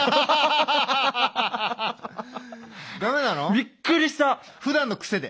びっくりした。ふだんの癖で。